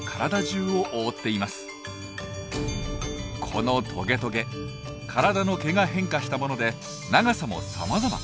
このトゲトゲ体の毛が変化したもので長さもさまざま。